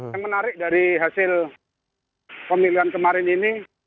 yang menarik dari hasil pemilihan kemarin ini